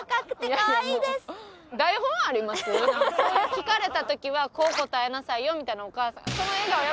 聞かれた時はこう答えなさいよみたいな。